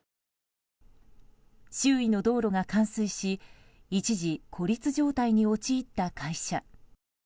周囲の道路が冠水し一時、孤立状態に陥った会社。